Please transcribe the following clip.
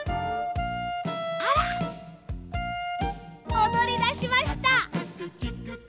おどりだしました。